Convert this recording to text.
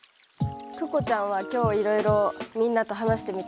ＫＵＫＯちゃんは今日いろいろみんなと話してみてどうだった？